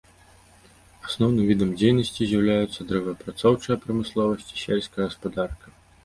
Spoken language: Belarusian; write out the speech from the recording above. Асноўным відам дзейнасці з'яўляюцца дрэваапрацоўчая прамысловасць і сельская гаспадарка.